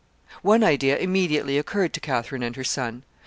One idea immediately occurred to Catherine and her son.